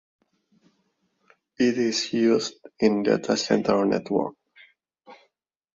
It is used in data center networks.